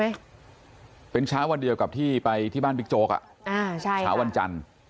เชื่อว่าวันนี้จบหายโดยกลับที่ไปบ้านบิ๊กโจกชาววันจันทร์